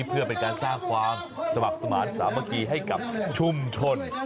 เพื่อเป็นการสร้างความสมัครสมาธิสามัคคีให้กับชุมชน